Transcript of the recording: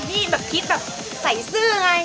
นี่แบบคิดแบบใส่เสื้อไง